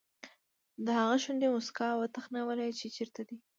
د هغه شونډې موسکا وتخنولې چې چېرته دی.